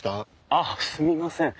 あっすみません。